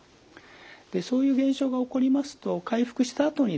でそういう現象が起こりますと回復したあとにですね